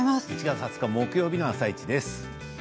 １月２０日木曜日の「あさイチ」です。